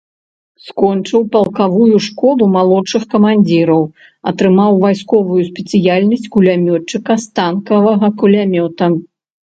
Скончыў палкавую школу малодшых камандзіраў, атрымаў вайсковую спецыяльнасць кулямётчыка станковага кулямёта.